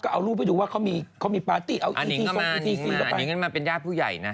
เค้ามาวานด้วยเอารูปเค้ามีปาร์ตี้ถ้าเนริงก็มาเป็นญาติผู้ใหญ่นะ